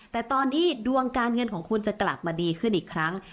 แต่ตอนนี้ดวงการเงินของคุณจะกลับมาดีขึ้นอีกครั้ง